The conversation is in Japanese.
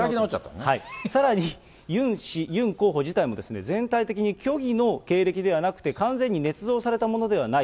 さらにユン氏、ユン候補自体も、全体的に虚偽の経歴ではなくて、完全にねつ造されたものではない。